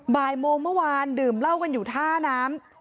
บ่ายโมงเมื่อวานดื่มเหล้ากันอยู่ท่าน้ำ